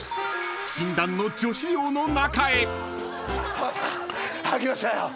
浜田さん開きましたよ！